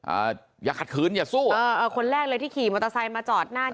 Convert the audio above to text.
อ่าอย่าขัดขึ้นอย่าสู้เออเอาคนแรกเลยที่ขี่มอเตอร์ไซน์มาจอดหน้านี่พ่อ